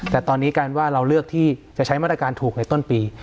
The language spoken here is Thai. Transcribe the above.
แต่ตอนนี้การว่าเราเลือกที่จะใช้มาตรการถูกในต้นปี